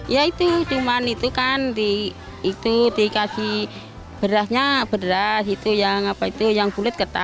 ya itu cuman itu kan dikasih berasnya beras yang bulet ketan